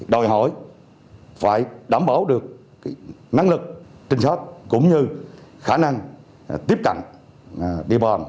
đòi hỏi phải đảm bảo được năng lực trình sát cũng như khả năng tiếp cận địa bàn